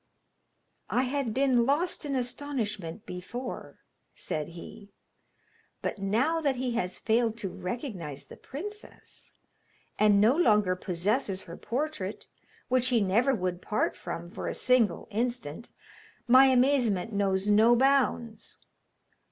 'I had been lost in astonishment before,' said he, 'but now that he has failed to recognise the princess, and no longer possesses her portrait, which he never would part from for a single instant, my amazement knows no bounds.